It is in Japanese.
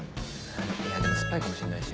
いやでも酸っぱいかもしんないし。